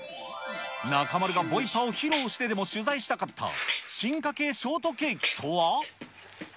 中丸がボイパを披露してでも取材したかった進化系ショートケーキとは。